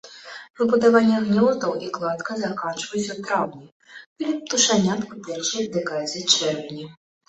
Збудаванне гнёздаў і кладка заканчваюцца ў траўні, вылет птушанят у першай дэкадзе чэрвеня.